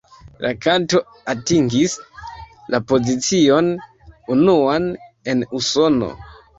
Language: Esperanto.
La kanto atingis la pozicion unuan en Usono.